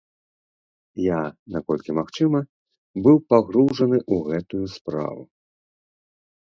Я, наколькі магчыма, быў пагружаны ў гэтую справу.